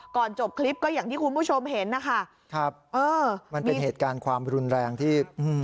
จบคลิปก็อย่างที่คุณผู้ชมเห็นนะคะครับเออมันเป็นเหตุการณ์ความรุนแรงที่